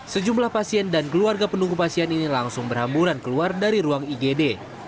sejumlah pasien dan keluarga penunggu pasien ini langsung berhamburan keluar dari ruang igd